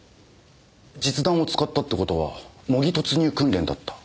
実弾を使ったって事は模擬突入訓練だった。